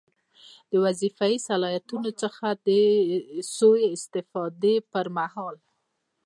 له وظیفوي صلاحیتونو څخه د سوء استفادې پر مهال.